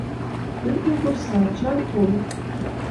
«Кӱртньӧ пурса», чал Олык